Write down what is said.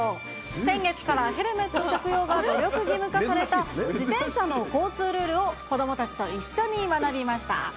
先月からヘルメット着用が努力義務化された自転車の交通ルールを子どもたちと一緒に学びました。